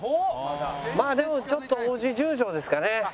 まあでもちょっと王子十条ですかね。